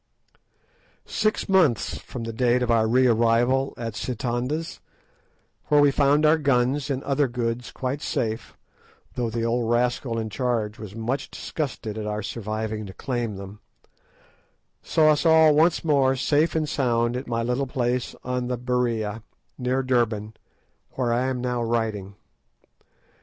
Six months from the date of our re arrival at Sitanda's, where we found our guns and other goods quite safe, though the old rascal in charge was much disgusted at our surviving to claim them, saw us all once more safe and sound at my little place on the Berea, near Durban, where I am now writing.